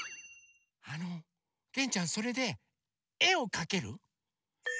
あのげんちゃんそれでえをかける？